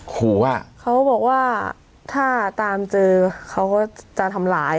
ขอว่าเขาบอกว่าถ้าตามเจอเขาก็จะทำร้าย